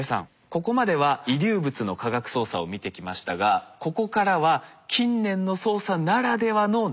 ここまでは遺留物の科学捜査を見てきましたがここからは近年の捜査ならではの難問です。